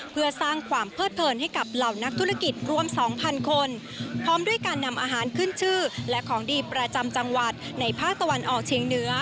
เพื่อสร้างความเพิดเพลินให้กับเหล่านักธุรกิจรวมสองพันคนพร้อมด้วยการนำอาหารขึ้นชื่อและของดีประจำจังหวัดในภาคตะวันออกเชียงเหนือ